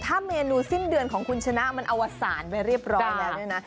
ถ้าเมนูสิ้นเดือนของคุณชนะมันอวสารไปเรียบร้อยแล้วเนี่ยนะ